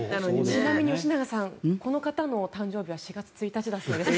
ちなみに吉永さんこの方の誕生日は４月１日だそうです。